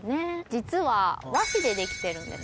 実は和紙でできてるんです。